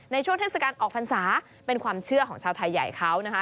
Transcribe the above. ช่วงเทศกาลออกพรรษาเป็นความเชื่อของชาวไทยใหญ่เขานะคะ